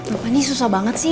bapak ini susah banget sih